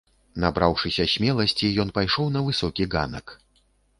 Набраўшыся смеласці, ён пайшоў на высокі ганак.